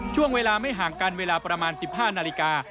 ช่วงเวลาไม่ห่างกันเวลาประมาณ๑๕นาฬิกา